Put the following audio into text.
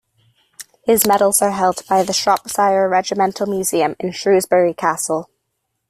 His medals are held by the Shropshire Regimental Museum in Shrewsbury Castle.